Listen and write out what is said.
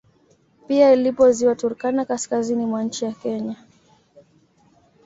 Pia lipo ziwa Turkana kaskazini mwa nchi ya Kenya